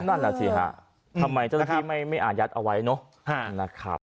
นั่นแหละสิฮะทำไมเจ้าหน้าที่ไม่อายัดเอาไว้เนอะนะครับ